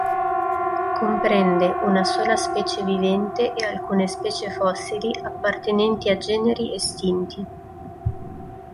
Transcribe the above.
Comprende una sola specie vivente e alcune specie fossili appartenenti a generi estinti.